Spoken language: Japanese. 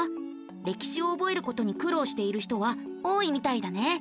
歴史を覚えることに苦労している人は多いみたいだね。